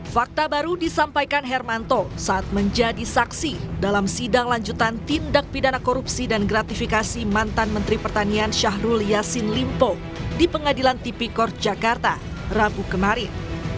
fakta baru disampaikan hermanto saat menjadi saksi dalam sidang lanjutan tindak pidana korupsi dan gratifikasi mantan menteri pertanian syahrul yassin limpo di pengadilan tipikor jakarta rabu kemarin